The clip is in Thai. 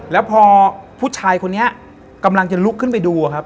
แล้วพอผู้ชายคนนี้กำลังจะลุกขึ้นไปดูครับ